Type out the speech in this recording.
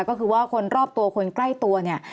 ก็คือว่าคนรอบตัวคนใกล้ตัวเนี่ย